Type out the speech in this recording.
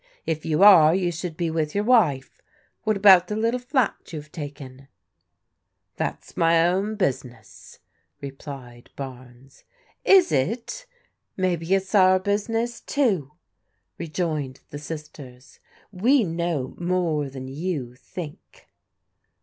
"If you are, you should be with your wife. What about the little flat you have taken?" " That's my own business," replied Barnes. "Is it? Maybe it's our business, too," rejoined the sfeters. " We know more than you think."